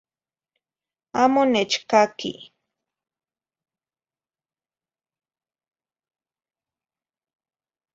Amo nechccaqui